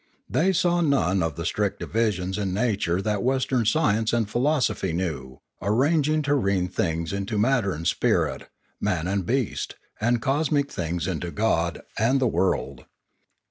They saw none of the strict divisions in nature that Western science and philosophy knew, ar ranging terrene things into matter and spirit, man and beast, and cosmic things into God and the world.